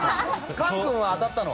簡君は当たったの？